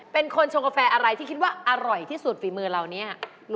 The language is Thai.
เป็นคนชงกาแฟอะไรที่คิดว่าอร่อยที่สุดฝีมือเราเนี่ย